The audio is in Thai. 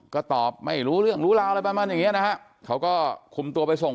ก็ตอบไม่รู้เรื่องรู้ราวอะไรประมาณอย่างเงี้นะฮะเขาก็คุมตัวไปส่ง